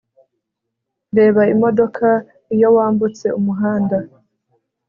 Reba imodoka iyo wambutse umuhanda